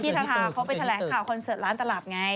เพราะว่าพี่ทาทาเขาไปแถลงข่าวคอนเสิร์ตร้านตลาดไง